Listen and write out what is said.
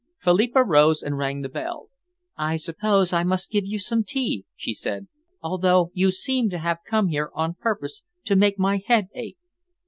Philippa rose and rang the bell. "I suppose I must give you some tea," she said, "although you seem to have come here on purpose to make my head ache."